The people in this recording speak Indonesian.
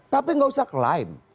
tapi tidak usah klaim